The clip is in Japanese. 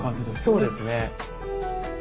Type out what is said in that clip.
そうですね。